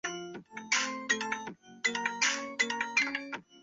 这里的萤幕靛接近于电脑萤幕上的光谱靛。